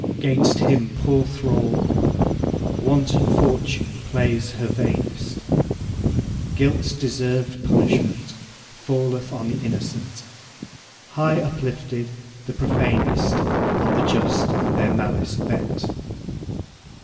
'Gainst him, poor thrall, Wanton Fortune plays her vainest. Guilt's deserved punishment Falleth on the innocent; High uplifted, the profanest On the just their malice vent.